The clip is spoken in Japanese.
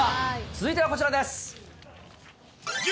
続いてはこちらです。